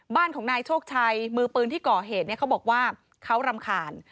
บ้านของนายโชคชัยมือปืนที่ก่อเหตุเขาบอกว่าเขารำคาญ